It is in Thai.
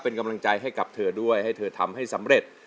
เป็นกำลังใจให้กับเธอด้วยให้เธอทำให้สำเร็จ